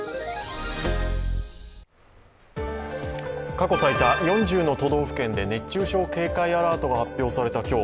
過去最多、４０の都道府県で熱中症警戒アラートが発表された今日